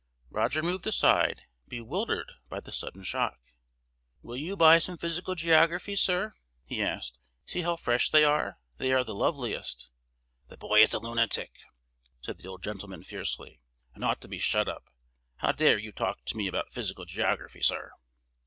Roger moved aside, bewildered by the sudden shock. "Will you buy some Physical Geographies, sir?" he asked. "See how fresh they are? They are the loveliest—" "This boy is a lunatic!" said the old gentleman, fiercely, "and ought to be shut up. How dare you talk to me about Physical Geography, sir?"